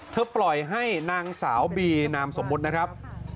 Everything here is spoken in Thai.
ปล่อยให้นางสาวบีนามสมมุตินะครับ